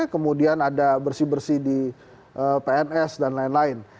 kemudian ada bersih bersih di pns dan lain lain